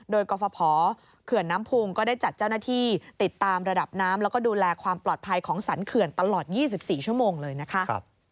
โดยกรฟภเขื่อนน้ำพุงก็ได้จัดเจ้าหน้าที่ติดตามระดับน้ำแล้วก็ดูแลความปลอดภัยของสรรเขื่อนตลอด๒๔ชั่วโมงเลยนะคะ